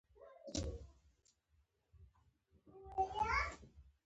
د لیکوال هویت قلم دی.